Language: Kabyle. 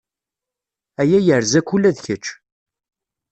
Aya yerza-k ula d kečč.